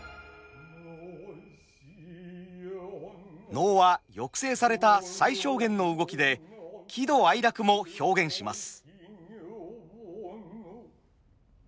能は抑制された最小限の動きで喜怒哀楽も表現します。